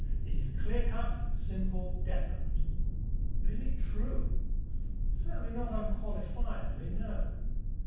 It is clear cut, simple, definite. But is it true? Certainly not unqualifiedly no.